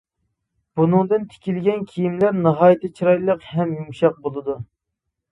بۇنىڭدىن تىكىلگەن كىيىملەر ناھايىتى چىرايلىق ھەم يۇمشاق بولىدۇ.